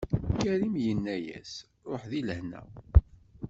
Karim yenna-as: Ṛuḥ di lehna.